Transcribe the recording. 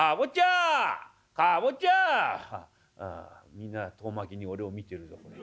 みんな遠巻きに俺を見てる。